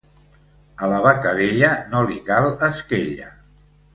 A la vaca vella no li cal esquella.